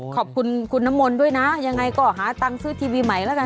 ขอบคุณคุณน้ำมนต์ด้วยนะยังไงก็หาตังค์ซื้อทีวีใหม่แล้วกัน